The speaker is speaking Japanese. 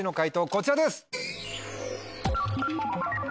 こちらです。